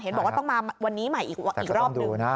บอกว่าต้องมาวันนี้ใหม่อีกรอบนึง